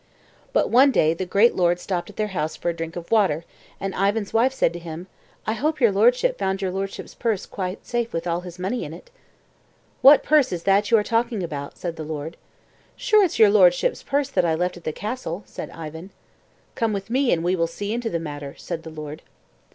But one day the great lord stopped at their house for a drink of water, and Ivan's wife said to him: "I hope your lordship found your lordship's purse quite safe with all its money in it." "What purse is that you are talking about?" said the lord. "Sure, it's your lordship's purse that I left at the castle," said Ivan. "Come with me and we will see into the matter," said the lord.